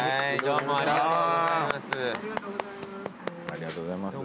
ありがとうございます。